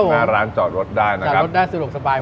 มาร้านจอดรถได้นะครับ